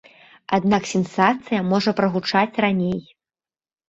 Аднак сенсацыя можа прагучаць раней.